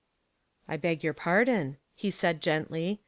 " I beg your pardon," he said gently.